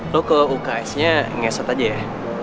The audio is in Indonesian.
lo ke uksnya ngeset aja ya